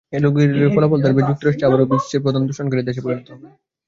এগুলোর ফলাফল দাঁড়াবে যুক্তরাষ্ট্র আবারও বিশ্বের প্রধান দূষণকারী দেশে পরিণত হবে।